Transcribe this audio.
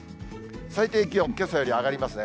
最低気温、けさより上がりますね。